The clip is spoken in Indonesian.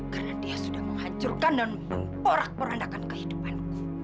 karena dia sudah menghancurkan dan memporak porandakan kehidupan